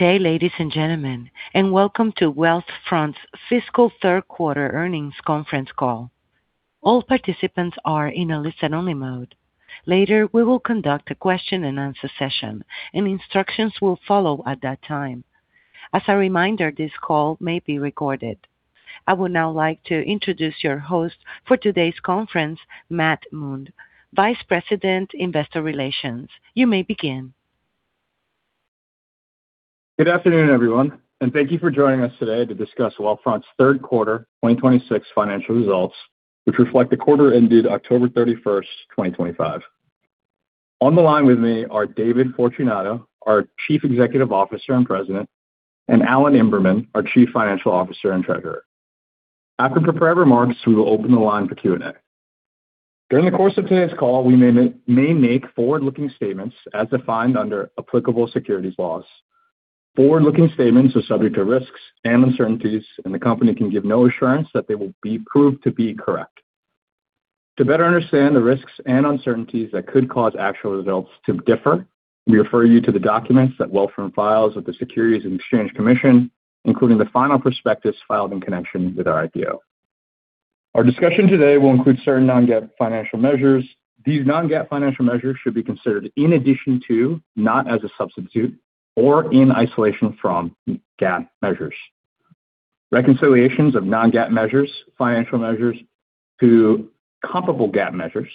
Okay, ladies and gentlemen, and welcome to Wealthfront's fiscal third quarter earnings conference call. All participants are in a listen-only mode. Later, we will conduct a question-and-answer session, and instructions will follow at that time. As a reminder, this call may be recorded. I would now like to introduce your host for today's conference, Matt Moon, Vice President, Investor Relations. You may begin. Good afternoon, everyone, and thank you for joining us today to discuss Wealthfront's third quarter 2026 financial results, which reflect the quarter ended October 31st, 2025. On the line with me are David Fortunato, our Chief Executive Officer and President, and Alan Imberman, our Chief Financial Officer and Treasurer. After prepared remarks, we will open the line for Q&A. During the course of today's call, we may make forward-looking statements as defined under applicable securities laws. Forward-looking statements are subject to risks and uncertainties, and the company can give no assurance that they will prove to be correct. To better understand the risks and uncertainties that could cause actual results to differ, we refer you to the documents that Wealthfront files with the Securities and Exchange Commission, including the final prospectus filed in connection with our IPO. Our discussion today will include certain non-GAAP financial measures. These non-GAAP financial measures should be considered in addition to, not as a substitute, or in isolation from GAAP measures. Reconciliations of non-GAAP financial measures to comparable GAAP measures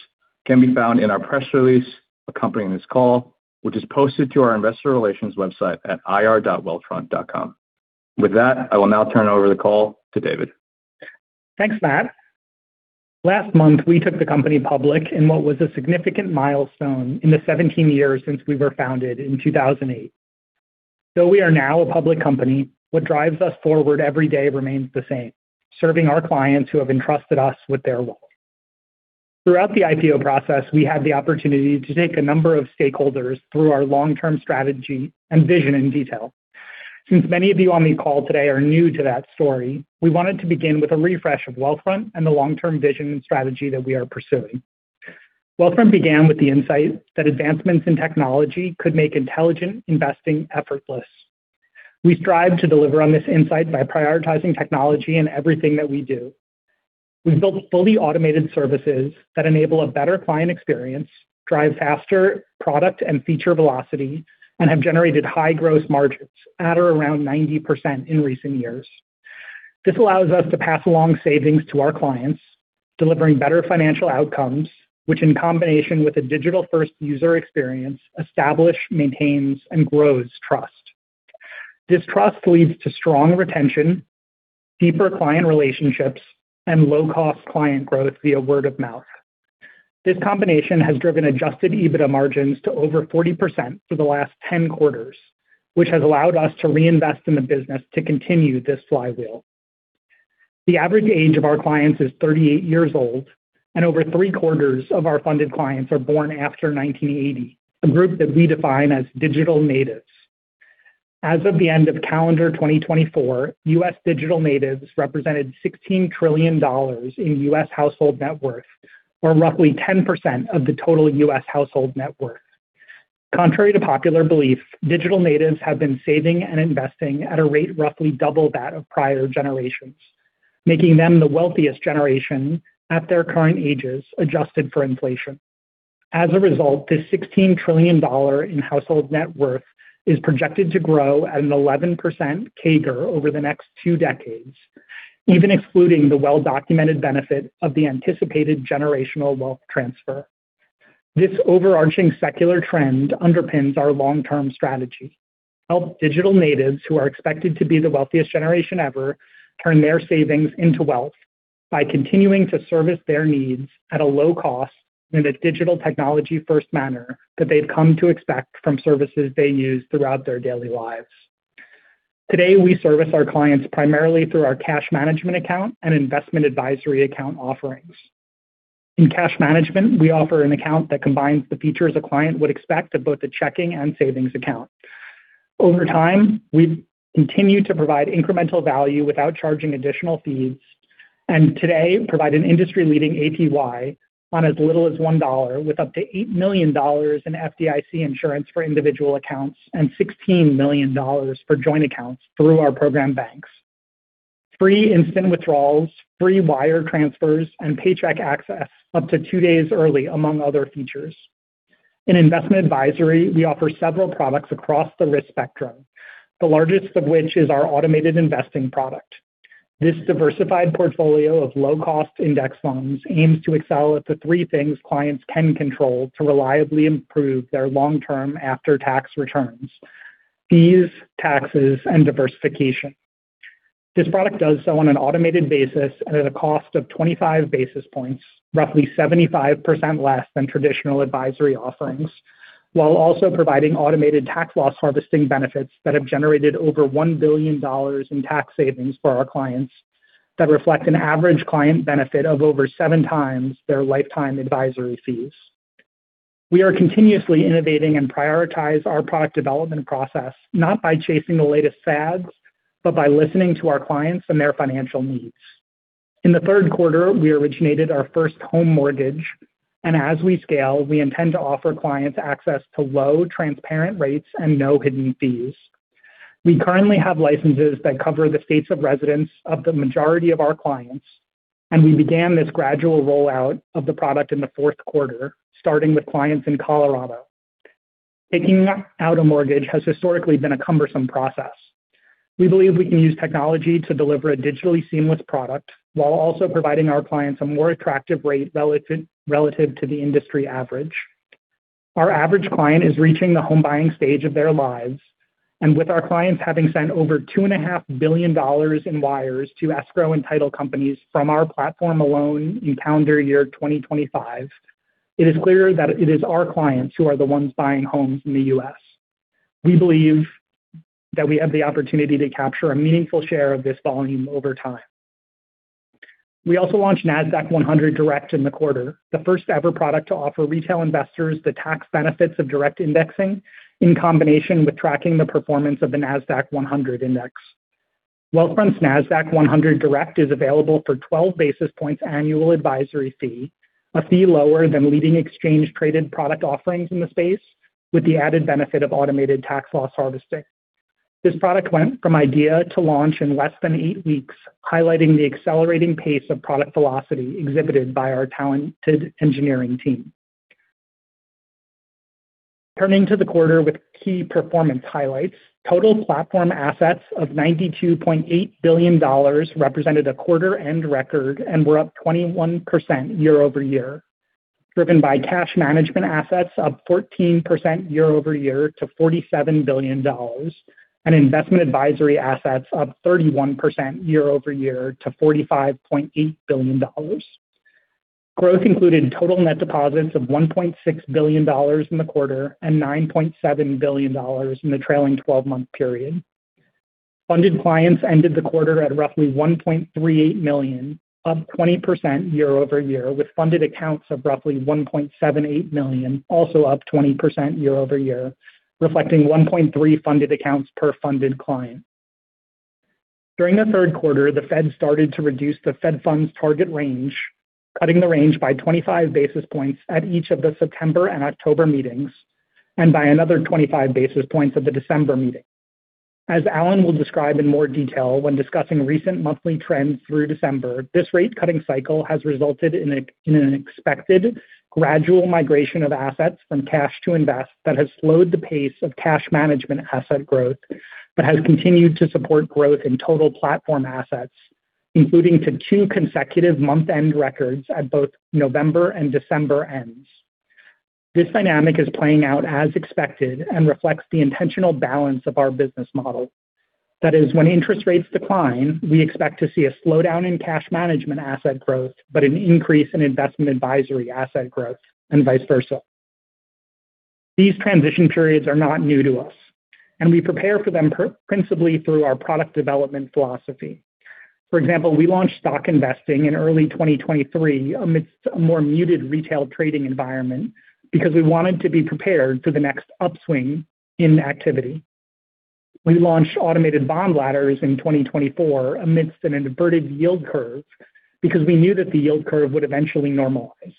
can be found in our press release accompanying this call, which is posted to our Investor Relations website at ir.wealthfront.com. With that, I will now turn the call over to David. Thanks, Matt. Last month, we took the company public in what was a significant milestone in the 17 years since we were founded in 2008. Though we are now a public company, what drives us forward every day remains the same, serving our clients who have entrusted us with their wealth. Throughout the IPO process, we had the opportunity to take a number of stakeholders through our long-term strategy and vision in detail. Since many of you on the call today are new to that story, we wanted to begin with a refresh of Wealthfront and the long-term vision and strategy that we are pursuing. Wealthfront began with the insight that advancements in technology could make intelligent investing effortless. We strive to deliver on this insight by prioritizing technology in everything that we do. We've built fully automated services that enable a better client experience, drive faster product and feature velocity, and have generated high gross margins, at or around 90% in recent years. This allows us to pass along savings to our clients, delivering better financial outcomes, which, in combination with a digital-first user experience, establish, maintain, and grow trust. This trust leads to strong retention, deeper client relationships, and low-cost client growth via word of mouth. This combination has driven Adjusted EBITDA margins to over 40% for the last 10 quarters, which has allowed us to reinvest in the business to continue this flywheel. The average age of our clients is 38 years old, and over three-quarters of our funded clients are born after 1980, a group that we define as digital natives. As of the end of calendar 2024, U.S. digital natives represented $16 trillion in U.S. household net worth, or roughly 10% of the total U.S. household net worth. Contrary to popular belief, digital natives have been saving and investing at a rate roughly double that of prior generations, making them the wealthiest generation at their current ages, adjusted for inflation. As a result, this $16 trillion in household net worth is projected to grow at an 11% CAGR over the next two decades, even excluding the well-documented benefit of the anticipated generational wealth transfer. This overarching secular trend underpins our long-term strategy: help digital natives who are expected to be the wealthiest generation ever turn their savings into wealth by continuing to service their needs at a low cost in a digital technology-first manner that they've come to expect from services they use throughout their daily lives. Today, we service our clients primarily through our cash management account and investment advisory account offerings. In cash management, we offer an account that combines the features a client would expect of both a checking and savings account. Over time, we continue to provide incremental value without charging additional fees and today provide an industry-leading APY on as little as $1, with up to $8 million in FDIC insurance for individual accounts and $16 million for joint accounts through our program banks. Free instant withdrawals, free wire transfers, and paycheck access up to two days early, among other features. In investment advisory, we offer several products across the risk spectrum, the largest of which is our automated investing product. This diversified portfolio of low-cost index funds aims to excel at the three things clients can control to reliably improve their long-term after-tax returns: fees, taxes, and diversification. This product does so on an automated basis at a cost of 25 basis points, roughly 75% less than traditional advisory offerings, while also providing automated tax-loss harvesting benefits that have generated over $1 billion in tax savings for our clients that reflect an average client benefit of over seven times their lifetime advisory fees. We are continuously innovating and prioritize our product development process not by chasing the latest fads, but by listening to our clients and their financial needs. In the third quarter, we originated our first home mortgage, and as we scale, we intend to offer clients access to low, transparent rates, and no hidden fees. We currently have licenses that cover the states of residence of the majority of our clients, and we began this gradual rollout of the product in the fourth quarter, starting with clients in Colorado. Taking out a mortgage has historically been a cumbersome process. We believe we can use technology to deliver a digitally seamless product while also providing our clients a more attractive rate relative to the industry average. Our average client is reaching the home buying stage of their lives, and with our clients having sent over $2.5 billion in wires to escrow and title companies from our platform alone in calendar year 2025, it is clear that it is our clients who are the ones buying homes in the U.S. We believe that we have the opportunity to capture a meaningful share of this volume over time. We also launched Nasdaq-100 Direct in the quarter, the first-ever product to offer retail investors the tax benefits of direct indexing in combination with tracking the performance of the Nasdaq-100 Index. Wealthfront's Nasdaq-100 Direct is available for 12 basis points annual advisory fee, a fee lower than leading exchange-traded product offerings in the space, with the added benefit of automated tax loss harvesting. This product went from idea to launch in less than eight weeks, highlighting the accelerating pace of product velocity exhibited by our talented engineering team. Turning to the quarter with key performance highlights, total platform assets of $92.8 billion represented a quarter-end record and were up 21% year-over-year, driven by cash management assets up 14% year-over-year to $47 billion and investment advisory assets up 31% year-over-year to $45.8 billion. Growth included total net deposits of $1.6 billion in the quarter and $9.7 billion in the trailing 12-month period. Funded clients ended the quarter at roughly $1.38 million, up 20% year-over-year, with funded accounts of roughly $1.78 million, also up 20% year-over-year, reflecting 1.3 funded accounts per funded client. During the third quarter, the Fed started to reduce the Fed Funds Target Range, cutting the range by 25 basis points at each of the September and October meetings and by another 25 basis points at the December meeting. As Alan will describe in more detail when discussing recent monthly trends through December, this rate-cutting cycle has resulted in an expected gradual migration of assets from cash to invest that has slowed the pace of cash management asset growth but has continued to support growth in total platform assets, including to two consecutive month-end records at both November and December ends. This dynamic is playing out as expected and reflects the intentional balance of our business model. That is, when interest rates decline, we expect to see a slowdown in cash management asset growth but an increase in investment advisory asset growth and vice versa. These transition periods are not new to us, and we prepare for them principally through our product development philosophy. For example, we launched Stock Investing in early 2023 amidst a more muted retail trading environment because we wanted to be prepared for the next upswing in activity. We launched Automated Bond Ladders in 2024 amidst an inverted yield curve because we knew that the yield curve would eventually normalize.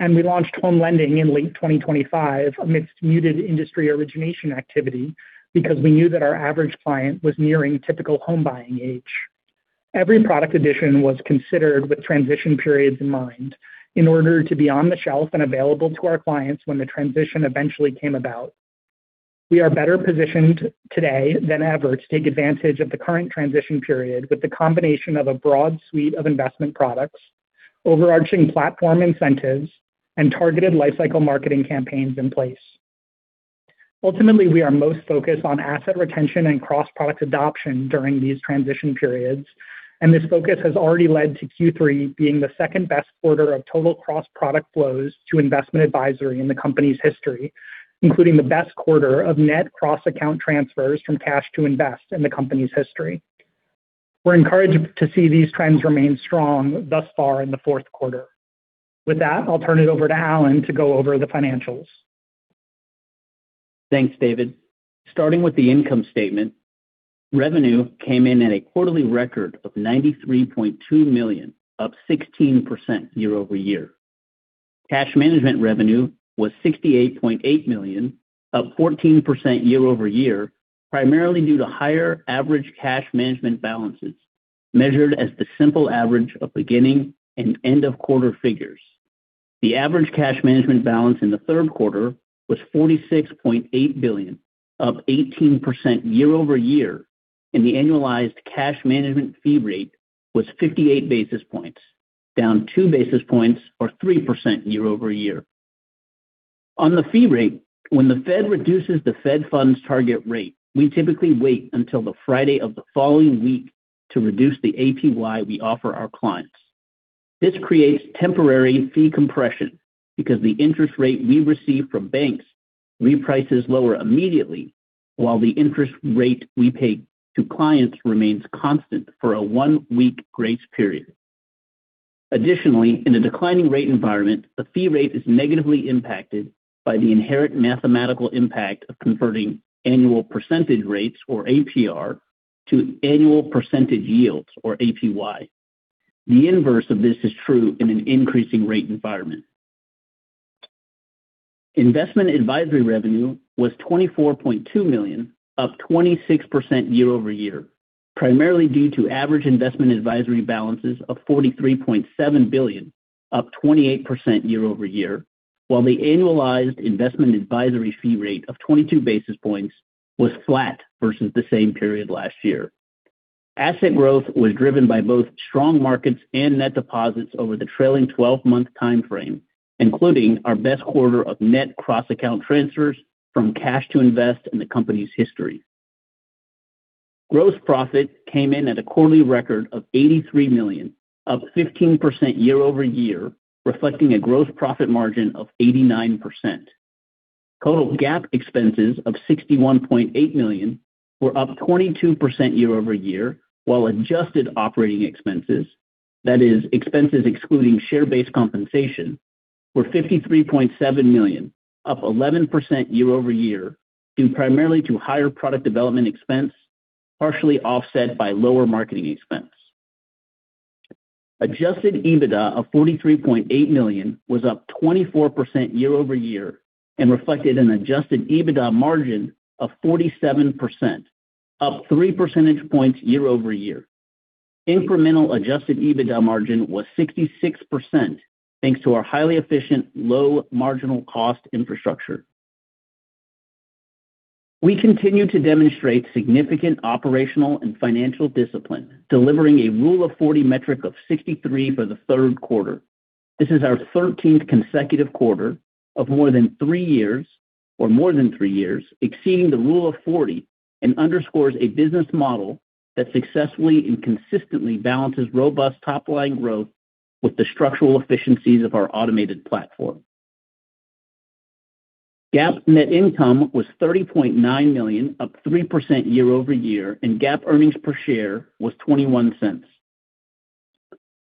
And we launched Home Lending in late 2025 amidst muted industry origination activity because we knew that our average client was nearing typical home buying age. Every product addition was considered with transition periods in mind in order to be on the shelf and available to our clients when the transition eventually came about. We are better positioned today than ever to take advantage of the current transition period with the combination of a broad suite of investment products, overarching platform incentives, and targeted lifecycle marketing campaigns in place. Ultimately, we are most focused on asset retention and cross-product adoption during these transition periods, and this focus has already led to Q3 being the second-best quarter of total cross-product flows to investment advisory in the company's history, including the best quarter of net cross-account transfers from cash to invest in the company's history. We're encouraged to see these trends remain strong thus far in the fourth quarter. With that, I'll turn it over to Alan to go over the financials. Thanks, David. Starting with the income statement, revenue came in at a quarterly record of $93.2 million, up 16% year-over-year. Cash management revenue was $68.8 million, up 14% year-over-year, primarily due to higher average cash management balances measured as the simple average of beginning and end-of-quarter figures. The average cash management balance in the third quarter was $46.8 billion, up 18% year-over-year, and the annualized cash management fee rate was 58 basis points, down 2 basis points or 3% year-over-year. On the fee rate, when the Fed reduces the Fed Funds Target Rate, we typically wait until the Friday of the following week to reduce the APY we offer our clients. This creates temporary fee compression because the interest rate we receive from banks reprices lower immediately, while the interest rate we pay to clients remains constant for a one-week grace period. Additionally, in a declining rate environment, the fee rate is negatively impacted by the inherent mathematical impact of converting annual percentage rates, or APR, to annual percentage yields, or APY. The inverse of this is true in an increasing rate environment. Investment advisory revenue was $24.2 million, up 26% year-over-year, primarily due to average investment advisory balances of $43.7 billion, up 28% year-over-year, while the annualized investment advisory fee rate of 22 basis points was flat versus the same period last year. Asset growth was driven by both strong markets and net deposits over the trailing 12-month timeframe, including our best quarter of net cross-account transfers from cash to invest in the company's history. Gross profit came in at a quarterly record of $83 million, up 15% year-over-year, reflecting a gross profit margin of 89%. Total GAAP expenses of $61.8 million were up 22% year-over-year, while adjusted operating expenses, that is, expenses excluding share-based compensation, were $53.7 million, up 11% year-over-year, due primarily to higher product development expense, partially offset by lower marketing expense. Adjusted EBITDA of $43.8 million was up 24% year-over-year and reflected an adjusted EBITDA margin of 47%, up 3 percentage points year-over-year. Incremental adjusted EBITDA margin was 66%, thanks to our highly efficient, low-marginal-cost infrastructure. We continue to demonstrate significant operational and financial discipline, delivering a Rule of 40 metric of 63 for the third quarter. This is our 13th consecutive quarter of more than three years, or more than three years, exceeding the Rule of 40 and underscores a business model that successfully and consistently balances robust top-line growth with the structural efficiencies of our automated platform. GAAP net income was $30.9 million, up 3% year-over-year, and GAAP earnings per share was $0.21.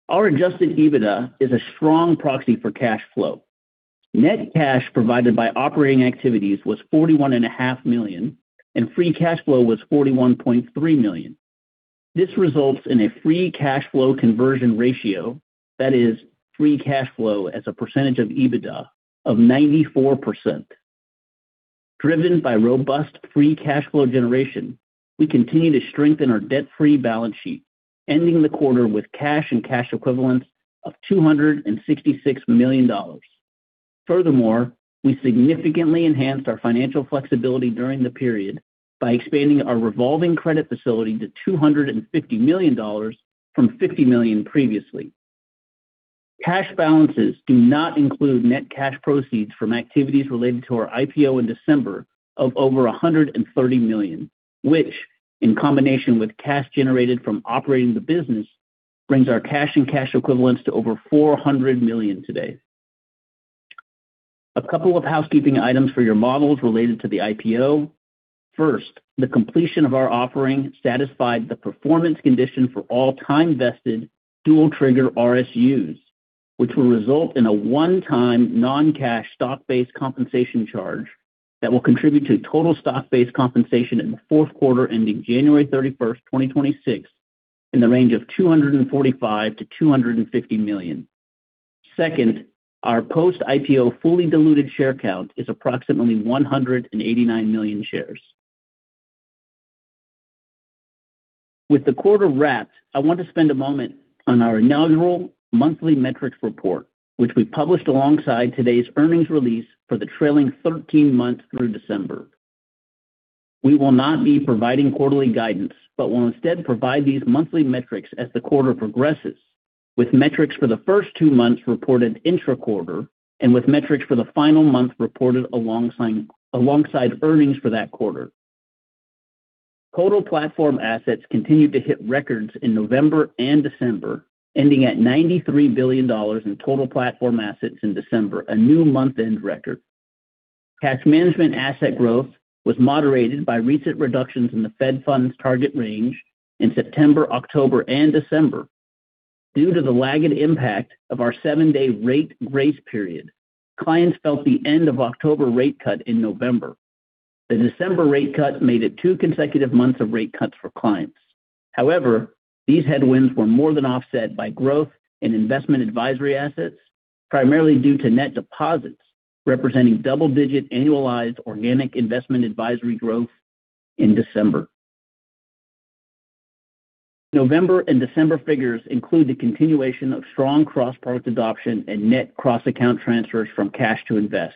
Our Adjusted EBITDA is a strong proxy for cash flow. Net cash provided by operating activities was $41.5 million, and free cash flow was $41.3 million. This results in a free cash flow conversion ratio, that is, free cash flow as a percentage of EBITDA, of 94%. Driven by robust free cash flow generation, we continue to strengthen our debt-free balance sheet, ending the quarter with cash and cash equivalents of $266 million. Furthermore, we significantly enhanced our financial flexibility during the period by expanding our revolving credit facility to $250 million from $50 million previously. Cash balances do not include net cash proceeds from activities related to our IPO in December of over $130 million, which, in combination with cash generated from operating the business, brings our cash and cash equivalents to over $400 million today. A couple of housekeeping items for your models related to the IPO. First, the completion of our offering satisfied the performance condition for all time-vested dual-trigger RSUs, which will result in a one-time non-cash stock-based compensation charge that will contribute to total stock-based compensation in the fourth quarter ending January 31, 2026, in the range of $245 million-$250 million. Second, our post-IPO fully diluted share count is approximately 189 million shares. With the quarter wrapped, I want to spend a moment on our inaugural monthly metrics report, which we published alongside today's earnings release for the trailing 13 months through December. We will not be providing quarterly guidance but will instead provide these monthly metrics as the quarter progresses, with metrics for the first two months reported intra-quarter and with metrics for the final month reported alongside earnings for that quarter. Total platform assets continued to hit records in November and December, ending at $93 billion in total platform assets in December, a new month-end record. Cash management asset growth was moderated by recent reductions in the Fed Funds Target Range in September, October, and December. Due to the laggard impact of our seven-day rate grace period, clients felt the end of October rate cut in November. The December rate cut made it two consecutive months of rate cuts for clients. However, these headwinds were more than offset by growth in investment advisory assets, primarily due to net deposits representing double-digit annualized organic investment advisory growth in December. November and December figures include the continuation of strong cross-product adoption and net cross-account transfers from cash to invest.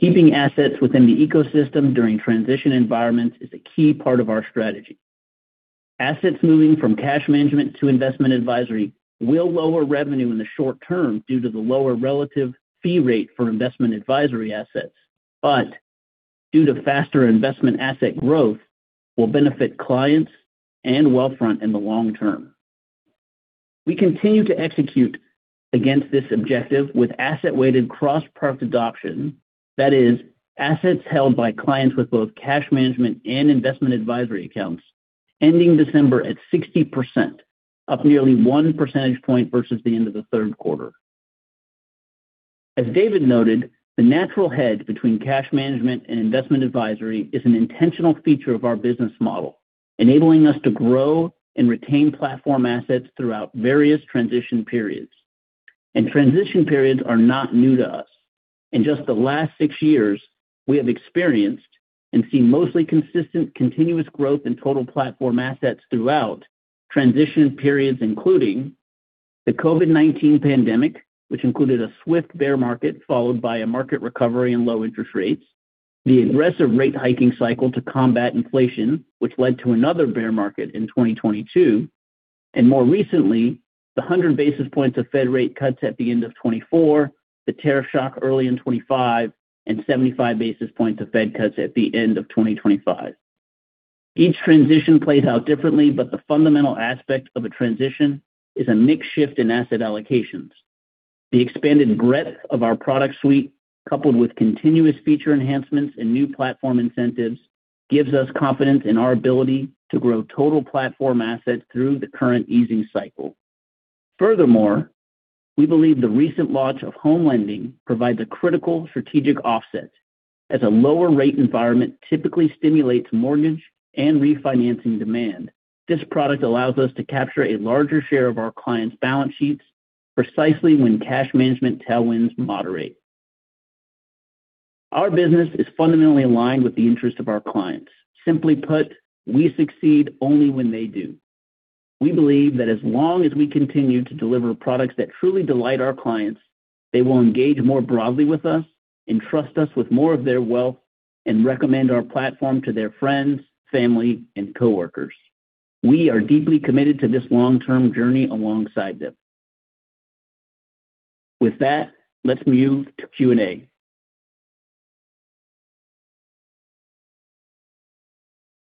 Keeping assets within the ecosystem during transition environments is a key part of our strategy. Assets moving from cash management to investment advisory will lower revenue in the short term due to the lower relative fee rate for investment advisory assets, but due to faster investment asset growth, will benefit clients and Wealthfront in the long term. We continue to execute against this objective with asset-weighted cross-product adoption, that is, assets held by clients with both cash management and investment advisory accounts, ending December at 60%, up nearly one percentage point versus the end of the third quarter. As David noted, the natural hedge between cash management and investment advisory is an intentional feature of our business model, enabling us to grow and retain platform assets throughout various transition periods. Transition periods are not new to us. In just the last six years, we have experienced and see mostly consistent continuous growth in total platform assets throughout transition periods, including the COVID-19 pandemic, which included a swift bear market followed by a market recovery in low interest rates, the aggressive rate hiking cycle to combat inflation, which led to another bear market in 2022, and more recently, the 100 basis points of Fed rate cuts at the end of 2024, the tariff shock early in 2025, and 75 basis points of Fed cuts at the end of 2025. Each transition plays out differently, but the fundamental aspect of a transition is a mixed shift in asset allocations. The expanded breadth of our product suite, coupled with continuous feature enhancements and new platform incentives, gives us confidence in our ability to grow total platform assets through the current easing cycle. Furthermore, we believe the recent launch of home lending provides a critical strategic offset, as a lower rate environment typically stimulates mortgage and refinancing demand. This product allows us to capture a larger share of our clients' balance sheets precisely when cash management tailwinds moderate. Our business is fundamentally aligned with the interests of our clients. Simply put, we succeed only when they do. We believe that as long as we continue to deliver products that truly delight our clients, they will engage more broadly with us, entrust us with more of their wealth, and recommend our platform to their friends, family, and coworkers. We are deeply committed to this long-term journey alongside them. With that, let's move to Q&A. I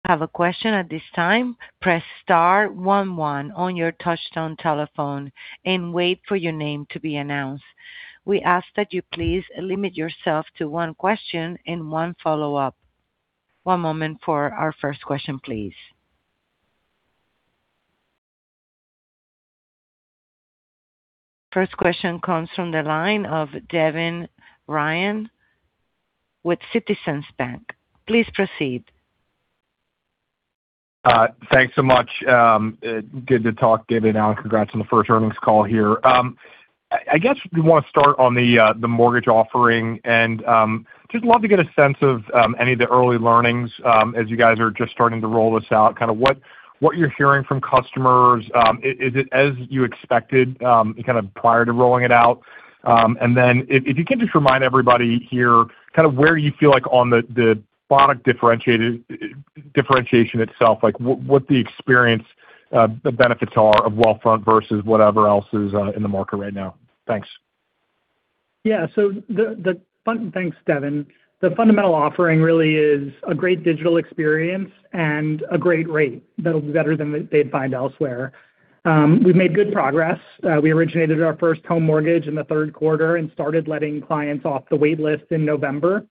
have a question at this time. Press star one one on your touch-tone telephone and wait for your name to be announced. We ask that you please limit yourself to one question and one follow-up. One moment for our first question, please. First question comes from the line of Devin Ryan with Citizens Bank. Please proceed. Thanks so much. Good to talk, David. Congrats on the first earnings call here. I guess we want to start on the mortgage offering and just love to get a sense of any of the early learnings as you guys are just starting to roll this out, kind of what you're hearing from customers. Is it as you expected kind of prior to rolling it out? And then if you can just remind everybody here kind of where you feel like on the product differentiation itself, what the experience, the benefits are of Wealthfront versus whatever else is in the market right now. Thanks. Yeah. So thanks, Devin. The fundamental offering really is a great digital experience and a great rate that'll be better than they'd find elsewhere. We've made good progress. We originated our first home mortgage in the third quarter and started letting clients off the waitlist in November.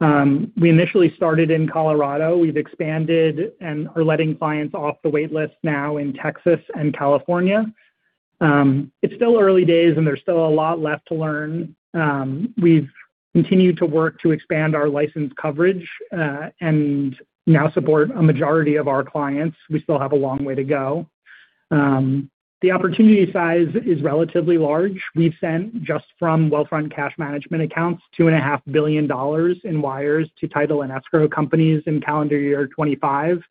We initially started in Colorado. We've expanded and are letting clients off the waitlist now in Texas and California. It's still early days, and there's still a lot left to learn. We've continued to work to expand our license coverage and now support a majority of our clients. We still have a long way to go. The opportunity size is relatively large. We've sent just from Wealthfront Cash Management accounts $2.5 billion in wires to title and escrow companies in calendar year 2025.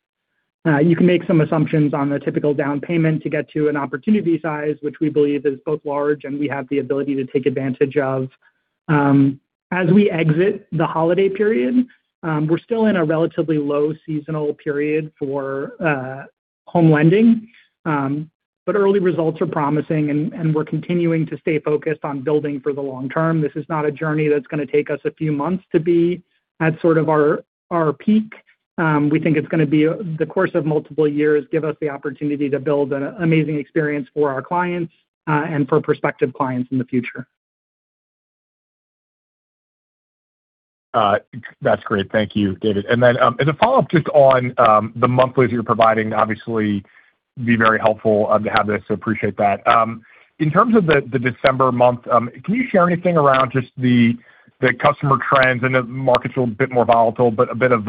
You can make some assumptions on the typical down payment to get to an opportunity size, which we believe is both large and we have the ability to take advantage of. As we exit the holiday period, we're still in a relatively low seasonal period for home lending, but early results are promising, and we're continuing to stay focused on building for the long term. This is not a journey that's going to take us a few months to be at sort of our peak. We think it's going to be the course of multiple years give us the opportunity to build an amazing experience for our clients and for prospective clients in the future. That's great. Thank you, David. And then as a follow-up, just on the monthlies you're providing, obviously, would be very helpful to have this. So appreciate that. In terms of the December month, can you share anything around just the customer trends? I know the market's a little bit more volatile, but a bit of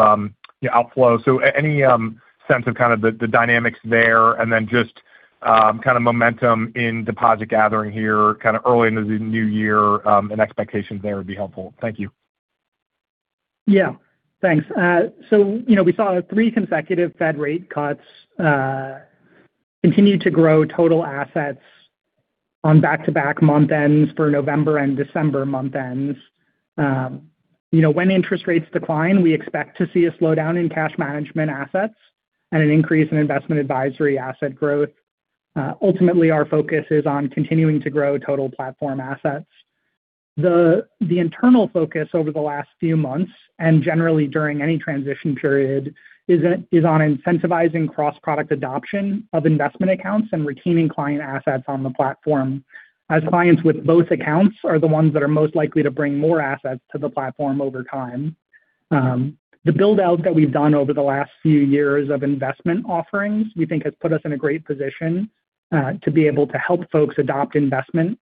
outflow. So any sense of kind of the dynamics there and then just kind of momentum in deposit gathering here kind of early into the new year and expectations there would be helpful. Thank you. Yeah. Thanks. We saw three consecutive Fed rate cuts continue to grow total assets on back-to-back month ends for November and December. When interest rates decline, we expect to see a slowdown in cash management assets and an increase in Investment Advisory asset growth. Ultimately, our focus is on continuing to grow total platform assets. The internal focus over the last few months and generally during any transition period is on incentivizing cross-product adoption of investment accounts and retaining client assets on the platform, as clients with both accounts are the ones that are most likely to bring more assets to the platform over time. The build-out that we've done over the last few years of investment offerings, we think, has put us in a great position to be able to help folks adopt investment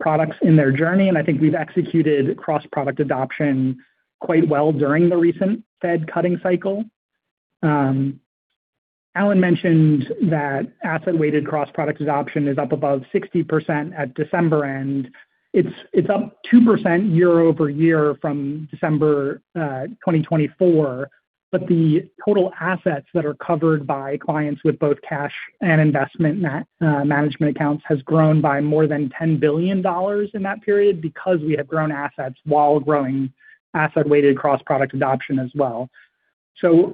products in their journey. I think we've executed cross-product adoption quite well during the recent Fed cutting cycle. Alan mentioned that asset-weighted cross-product adoption is up above 60% at December end. It's up 2% year-over-year from December 2024, but the total assets that are covered by clients with both cash and investment management accounts has grown by more than $10 billion in that period because we have grown assets while growing asset-weighted cross-product adoption as well.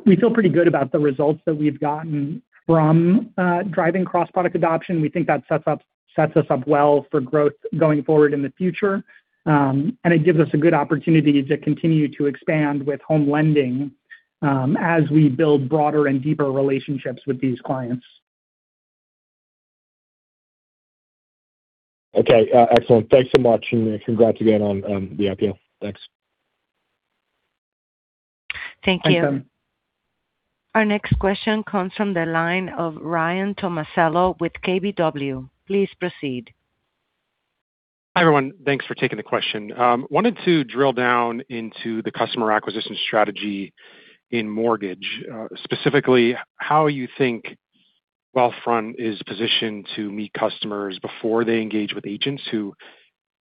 We feel pretty good about the results that we've gotten from driving cross-product adoption. We think that sets us up well for growth going forward in the future, and it gives us a good opportunity to continue to expand with home lending as we build broader and deeper relationships with these clients. Okay. Excellent. Thanks so much and congrats again on the IPO. Thanks. Thank you. Our next question comes from the line of Ryan Tomasello with KBW. Please proceed. Hi everyone. Thanks for taking the question. Wanted to drill down into the customer acquisition strategy in mortgage, specifically how you think Wealthfront is positioned to meet customers before they engage with agents who,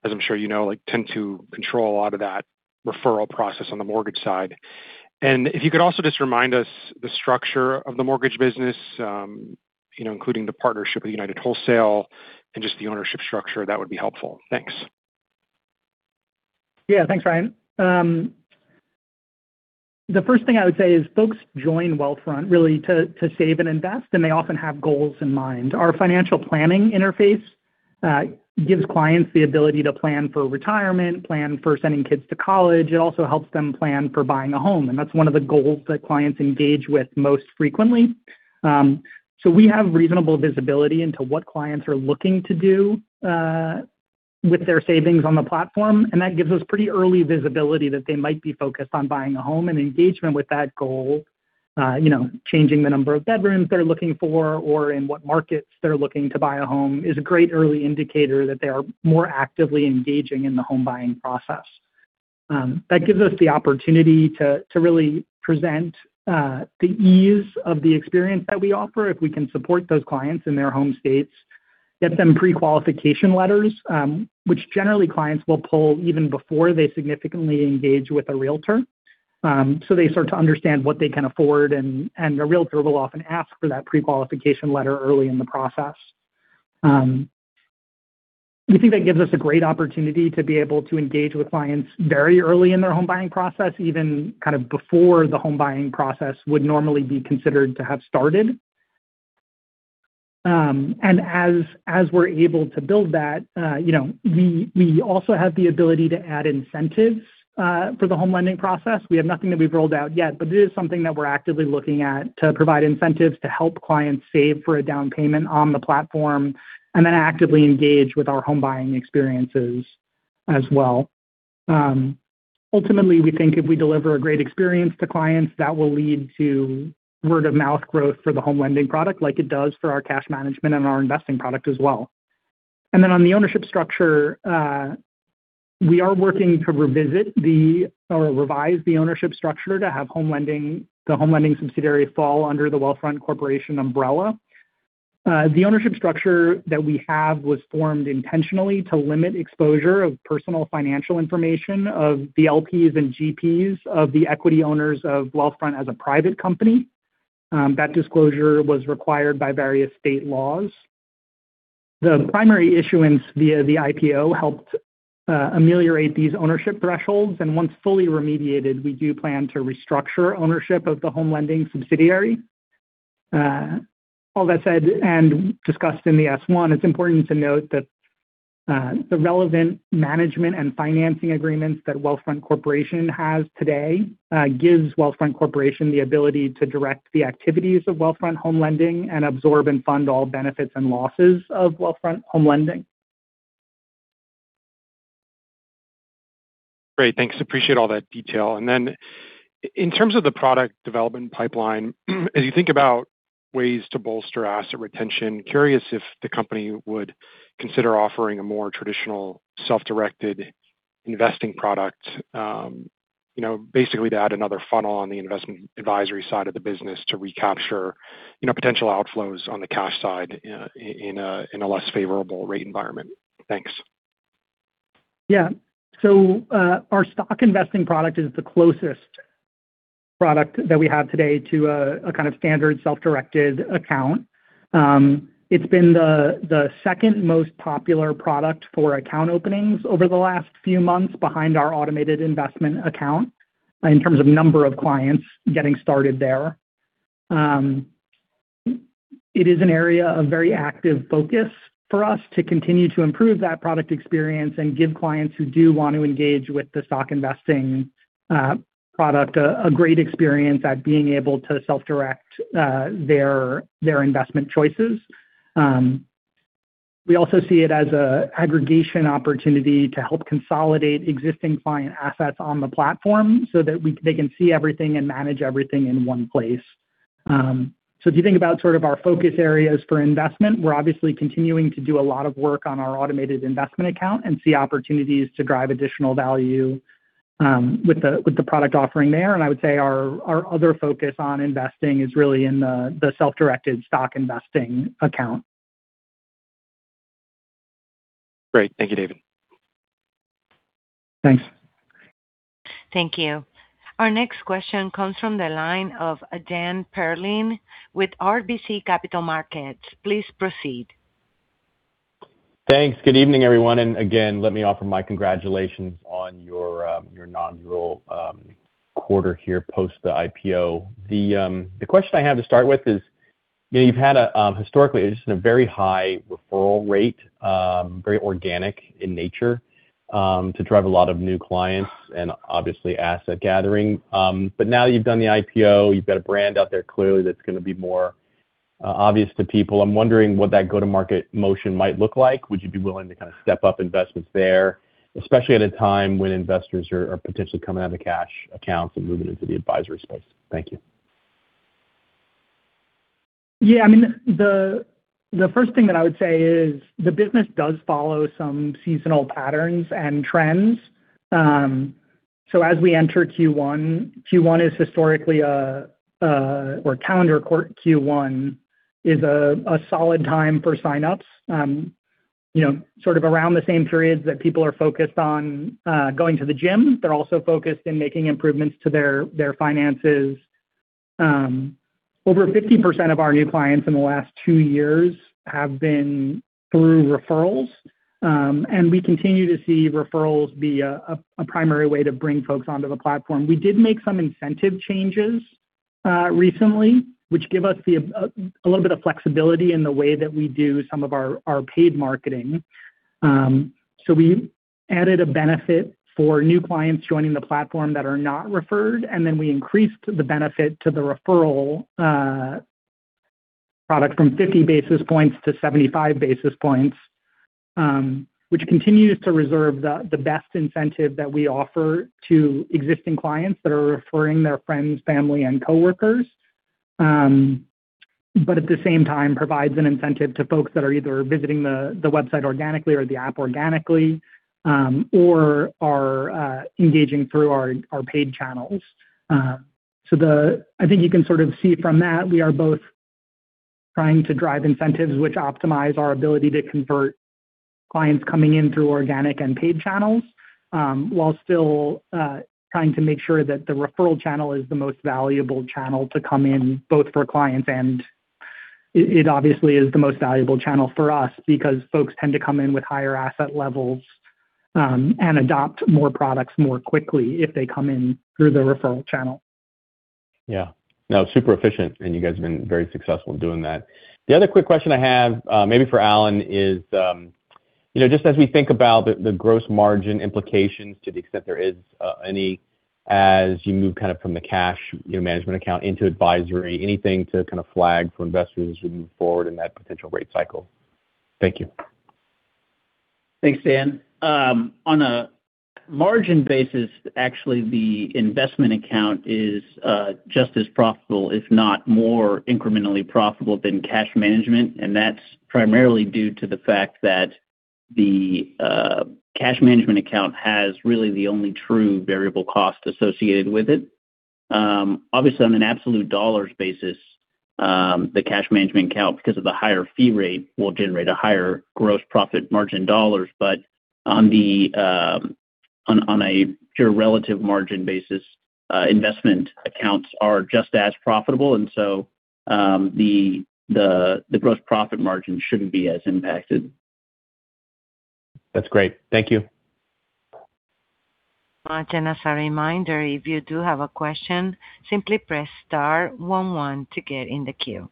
as I'm sure you know, tend to control a lot of that referral process on the mortgage side, and if you could also just remind us the structure of the mortgage business, including the partnership with United Wholesale and just the ownership structure, that would be helpful. Thanks. Yeah. Thanks, Ryan. The first thing I would say is folks join Wealthfront really to save and invest, and they often have goals in mind. Our financial planning interface gives clients the ability to plan for retirement, plan for sending kids to college. It also helps them plan for buying a home. And that's one of the goals that clients engage with most frequently. So we have reasonable visibility into what clients are looking to do with their savings on the platform, and that gives us pretty early visibility that they might be focused on buying a home. And engagement with that goal, changing the number of bedrooms they're looking for or in what markets they're looking to buy a home, is a great early indicator that they are more actively engaging in the home buying process. That gives us the opportunity to really present the ease of the experience that we offer if we can support those clients in their home states, get them pre-qualification letters, which generally clients will pull even before they significantly engage with a realtor so they start to understand what they can afford. And a realtor will often ask for that pre-qualification letter early in the process. We think that gives us a great opportunity to be able to engage with clients very early in their home buying process, even kind of before the home buying process would normally be considered to have started. And as we're able to build that, we also have the ability to add incentives for the home lending process. We have nothing that we've rolled out yet, but it is something that we're actively looking at to provide incentives to help clients save for a down payment on the platform and then actively engage with our home buying experiences as well. Ultimately, we think if we deliver a great experience to clients, that will lead to word-of-mouth growth for the home lending product like it does for our cash management and our investing product as well, and then on the ownership structure, we are working to revisit or revise the ownership structure to have the home lending subsidiary fall under the Wealthfront Corporation umbrella. The ownership structure that we have was formed intentionally to limit exposure of personal financial information of the LPs and GPs of the equity owners of Wealthfront as a private company. That disclosure was required by various state laws. The primary issuance via the IPO helped ameliorate these ownership thresholds, and once fully remediated, we do plan to restructure ownership of the home lending subsidiary. All that said and discussed in the S-1, it's important to note that the relevant management and financing agreements that Wealthfront Corporation has today gives Wealthfront Corporation the ability to direct the activities of Wealthfront Home Lending and absorb and fund all benefits and losses of Wealthfront Home Lending. Great. Thanks. Appreciate all that detail. And then in terms of the product development pipeline, as you think about ways to bolster asset retention, curious if the company would consider offering a more traditional self-directed investing product, basically to add another funnel on the investment advisory side of the business to recapture potential outflows on the cash side in a less favorable rate environment. Thanks. Yeah, so our Stock Investing product is the closest product that we have today to a kind of standard self-directed account. It's been the second most popular product for account openings over the last few months behind our Automated Investing Account in terms of number of clients getting started there. It is an area of very active focus for us to continue to improve that product experience and give clients who do want to engage with the Stock Investing product a great experience at being able to self-direct their investment choices. We also see it as an aggregation opportunity to help consolidate existing client assets on the platform so that they can see everything and manage everything in one place. So if you think about sort of our focus areas for investment, we're obviously continuing to do a lot of work on our Automated Investing Account and see opportunities to drive additional value with the product offering there. And I would say our other focus on investing is really in the self-directed Stock Investing account. Great. Thank you, David. Thanks. Thank you. Our next question comes from the line of Dan Perlin with RBC Capital Markets. Please proceed. Thanks. Good evening, everyone. And again, let me offer my congratulations on your one-year-old quarter here post the IPO. The question I have to start with is you've had historically just a very high referral rate, very organic in nature to drive a lot of new clients and obviously asset gathering. But now that you've done the IPO, you've got a brand out there clearly that's going to be more obvious to people. I'm wondering what that go-to-market motion might look like. Would you be willing to kind of step up investments there, especially at a time when investors are potentially coming out of cash accounts and moving into the advisory space? Thank you. Yeah. I mean, the first thing that I would say is the business does follow some seasonal patterns and trends. So as we enter Q1, Q1 is historically a or calendar Q1 is a solid time for sign-ups. Sort of around the same periods that people are focused on going to the gym, they're also focused in making improvements to their finances. Over 50% of our new clients in the last two years have been through referrals, and we continue to see referrals be a primary way to bring folks onto the platform. We did make some incentive changes recently, which give us a little bit of flexibility in the way that we do some of our paid marketing. So we added a benefit for new clients joining the platform that are not referred, and then we increased the benefit to the referral product from 50 basis points to 75 basis points, which continues to reserve the best incentive that we offer to existing clients that are referring their friends, family, and coworkers, but at the same time provides an incentive to folks that are either visiting the website organically or the app organically or are engaging through our paid channels. So I think you can sort of see from that we are both trying to drive incentives which optimize our ability to convert clients coming in through organic and paid channels while still trying to make sure that the referral channel is the most valuable channel to come in both for clients. It obviously is the most valuable channel for us because folks tend to come in with higher asset levels and adopt more products more quickly if they come in through the referral channel. Yeah. No, super efficient, and you guys have been very successful doing that. The other quick question I have maybe for Alan is just as we think about the gross margin implications to the extent there is any as you move kind of from the cash management account into advisory, anything to kind of flag for investors as we move forward in that potential rate cycle? Thank you. Thanks, Dan. On a margin basis, actually, the investment account is just as profitable, if not more incrementally profitable than cash management. And that's primarily due to the fact that the cash management account has really the only true variable cost associated with it. Obviously, on an absolute dollars basis, the cash management account, because of the higher fee rate, will generate a higher gross profit margin dollars. But on a pure relative margin basis, investment accounts are just as profitable. And so the gross profit margin shouldn't be as impacted. That's great. Thank you. Martin, as a reminder, if you do have a question, simply press star one one to get in the queue.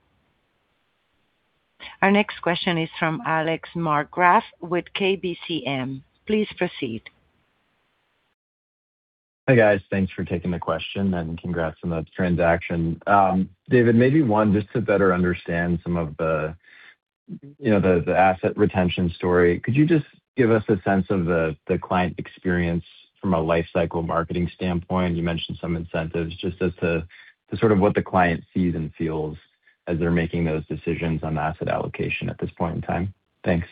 Our next question is from Alex Markgraff with KBCM. Please proceed. Hi guys. Thanks for taking the question and congrats on the transaction. David, maybe one, just to better understand some of the asset retention story, could you just give us a sense of the client experience from a life cycle marketing standpoint? You mentioned some incentives just as to sort of what the client sees and feels as they're making those decisions on asset allocation at this point in time. Thanks.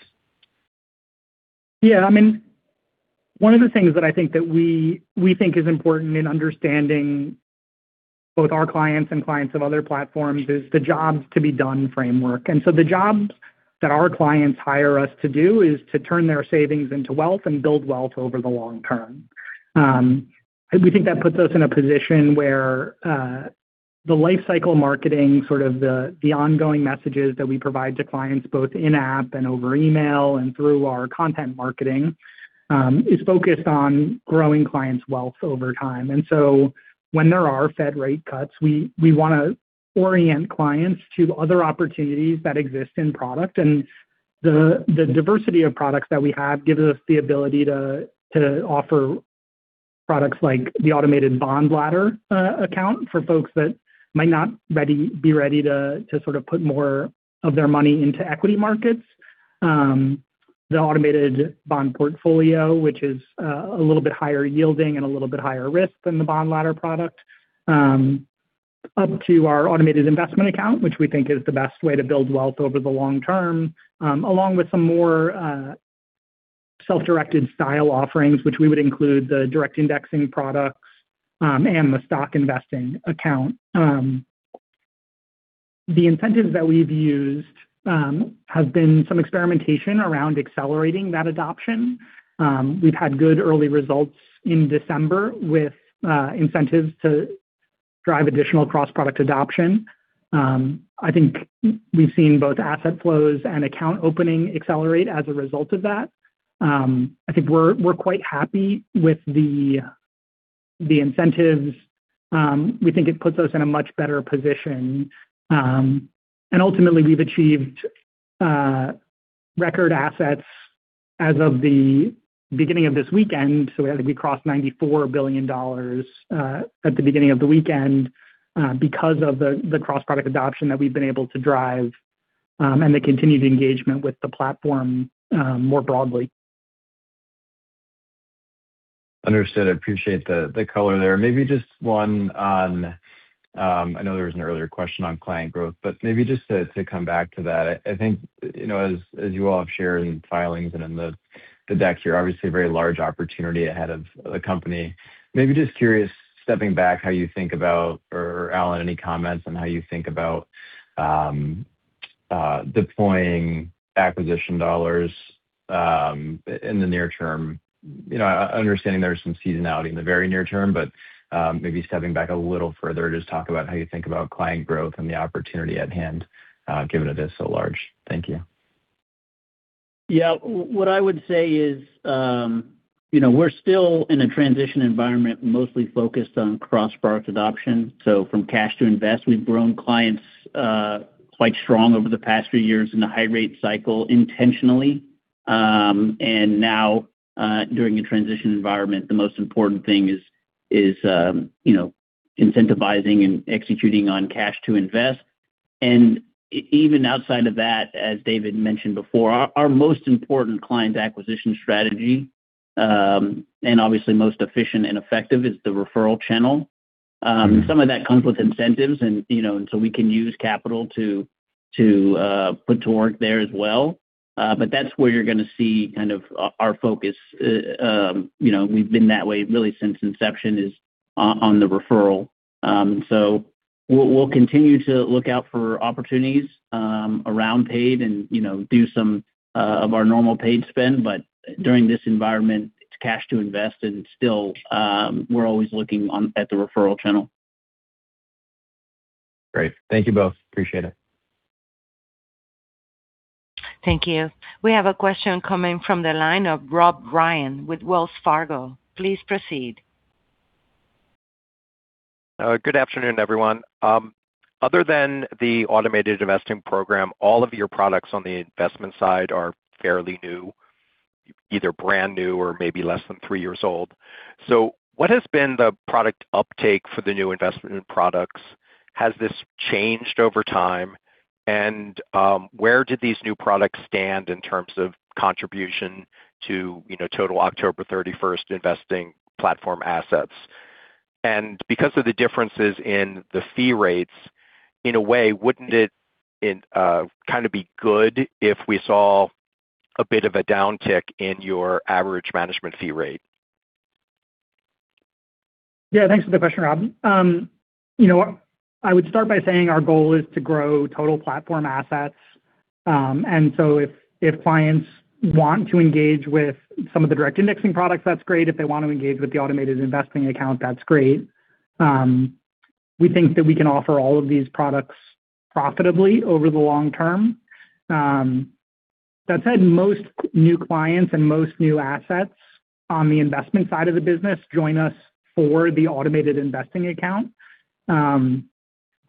Yeah. I mean, one of the things that I think that we think is important in understanding both our clients and clients of other platforms is the jobs-to-be-done framework. And so the jobs that our clients hire us to do is to turn their savings into wealth and build wealth over the long term. We think that puts us in a position where the life cycle marketing, sort of the ongoing messages that we provide to clients both in-app and over email and through our content marketing is focused on growing clients' wealth over time. And so when there are Fed rate cuts, we want to orient clients to other opportunities that exist in product. The diversity of products that we have gives us the ability to offer products like the Automated Bond Ladder account for folks that might not be ready to sort of put more of their money into equity markets, the Automated Bond Portfolio, which is a little bit higher yielding and a little bit higher risk than the bond ladder product, up to our Automated Investing Account, which we think is the best way to build wealth over the long term, along with some more self-directed style offerings, which we would include the Direct Indexing products and the Stock Investing account. The incentives that we've used have been some experimentation around accelerating that adoption. We've had good early results in December with incentives to drive additional cross-product adoption. I think we've seen both asset flows and account opening accelerate as a result of that. I think we're quite happy with the incentives. We think it puts us in a much better position. Ultimately, we've achieved record assets as of the beginning of this weekend. I think we crossed $94 billion at the beginning of the weekend because of the cross-product adoption that we've been able to drive and the continued engagement with the platform more broadly. Understood. I appreciate the color there. Maybe just one on. I know there was an earlier question on client growth, but maybe just to come back to that. I think as you all have shared in filings and in the deck here, obviously a very large opportunity ahead of the company. Maybe just curious, stepping back, how you think about, or Alan, any comments on how you think about deploying acquisition dollars in the near term? Understanding there's some seasonality in the very near term, but maybe stepping back a little further to just talk about how you think about client growth and the opportunity at hand given it is so large. Thank you. Yeah. What I would say is we're still in a transition environment mostly focused on cross-product adoption. So from cash to invest, we've grown clients quite strong over the past few years in the high rate cycle intentionally. And now, during the transition environment, the most important thing is incentivizing and executing on cash to invest. And even outside of that, as David mentioned before, our most important client acquisition strategy and obviously most efficient and effective is the referral channel. Some of that comes with incentives, and so we can use capital to put to work there as well. But that's where you're going to see kind of our focus. We've been that way really since inception is on the referral. And so we'll continue to look out for opportunities around paid and do some of our normal paid spend. But during this environment, it's cash to invest, and still we're always looking at the referral channel. Great. Thank you both. Appreciate it. Thank you. We have a question coming from the line of Rob Ryan with Wells Fargo. Please proceed. Good afternoon, everyone. Other than the automated investing program, all of your products on the investment side are fairly new, either brand new or maybe less than three years old. So what has been the product uptake for the new investment products? Has this changed over time? And where did these new products stand in terms of contribution to total October 31st investing platform assets? And because of the differences in the fee rates, in a way, wouldn't it kind of be good if we saw a bit of a downtick in your average management fee rate? Yeah. Thanks for the question, Rob. I would start by saying our goal is to grow total platform assets. And so if clients want to engage with some of the direct indexing products, that's great. If they want to engage with the automated investing account, that's great. We think that we can offer all of these products profitably over the long term. That said, most new clients and most new assets on the investment side of the business join us for the automated investing account.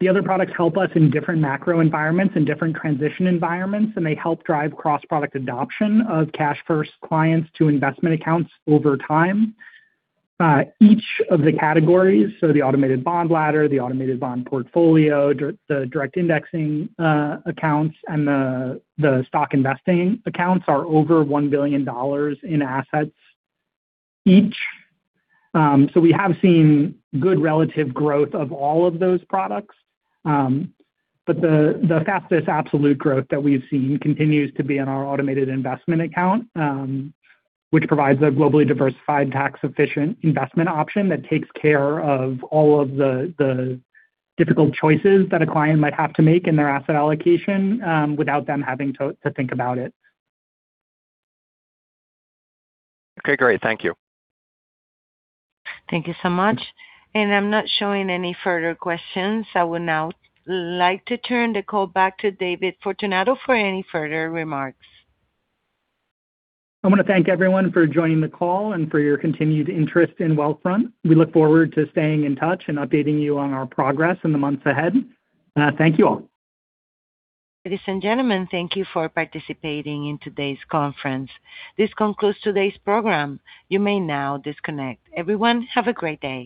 The other products help us in different macro environments and different transition environments, and they help drive cross-product adoption of cash-first clients to investment accounts over time. Each of the categories, so the automated bond ladder, the automated bond portfolio, the direct indexing accounts, and the stock investing accounts, are over $1 billion in assets each. So we have seen good relative growth of all of those products. But the fastest absolute growth that we've seen continues to be in our Automated Investing Account, which provides a globally diversified, tax-efficient investment option that takes care of all of the difficult choices that a client might have to make in their asset allocation without them having to think about it. Okay. Great. Thank you. Thank you so much. And I'm not showing any further questions. I would now like to turn the call back to David Fortunato for any further remarks. I want to thank everyone for joining the call and for your continued interest in Wealthfront. We look forward to staying in touch and updating you on our progress in the months ahead. Thank you all. Ladies and gentlemen, thank you for participating in today's conference. This concludes today's program. You may now disconnect. Everyone, have a great day.